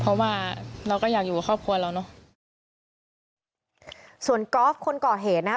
เพราะว่าเราก็อยากอยู่กับครอบครัวเราเนอะส่วนกอล์ฟคนก่อเหตุนะฮะ